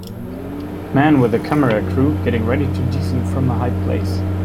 Man with a camera crew getting ready to descend from a high place.